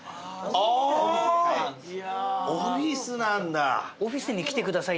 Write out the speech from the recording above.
ああオフィスなんだ。